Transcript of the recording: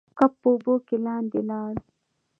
کب په اوبو کې لاندې لاړ.